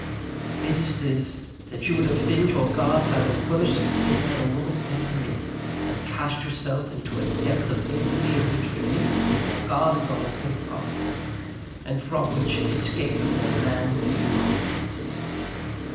It is this, that you would offend your God by the worst sin that a woman can commit, and cast yourself into a depth of infamy in which repentance before God is almost impossible, and from which escape before man is not permitted.